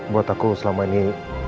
buat aku selama ini